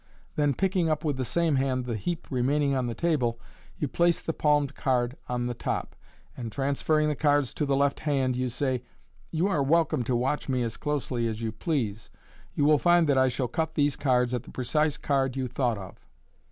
Then, picking up with the same hand the heap remaining on the table, you place the palmed card on the top, and, transferring the cards to the left hand, you say, * You are welcome to watch me as closely as you please. You will rind that I shall cut these cards at the precise card you thought of."